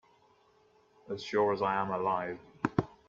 As sure as I am alive